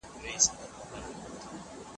هغه وويل چي بازار ګټور دی!؟